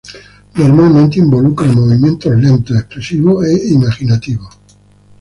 Normalmente involucra movimientos lentos, expresivos e imaginativos.